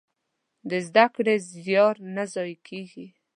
د زده کړې زيار نه ضايع کېږي.